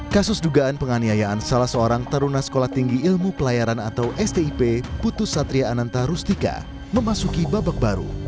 kasus dugaan penganiayaan salah seorang taruna sekolah tinggi ilmu pelayaran atau stip putus satria ananta rustika memasuki babak baru